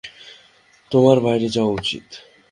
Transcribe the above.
তোমার বাইরে যাওয়া উচিত।